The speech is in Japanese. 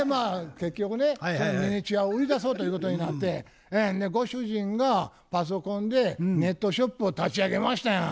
結局ねミニチュアを売り出そうということになってご主人がパソコンでネットショップを立ち上げましたやん。